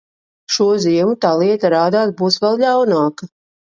Šo ziemu tā lieta rādās būt vēl ļaunāka.